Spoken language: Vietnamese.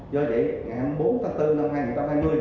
do vậy ngày hai mươi bốn tháng bốn năm hai nghìn hai mươi